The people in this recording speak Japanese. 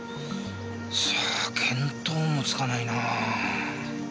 さあ見当もつかないな。